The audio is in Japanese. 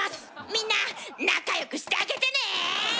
みんな仲良くしてあげてね！